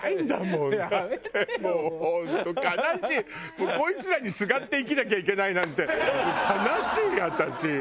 もうこいつらにすがって生きなきゃいけないなんて悲しい私。